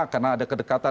karena ada kedekatan